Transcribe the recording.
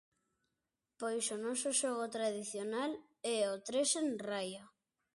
Pois o noso xogo tradicional é o tres en raia.